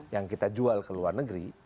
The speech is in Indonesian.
yang kita jual ke luar negeri